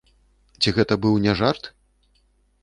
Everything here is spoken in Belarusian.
Ці гэта быў не жарт?